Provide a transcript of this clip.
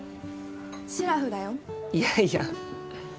シラフだよ。いやいや。